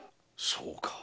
そうか。